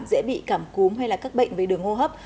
dễ bị cảm cúm hay là các bệnh về đường hô hấp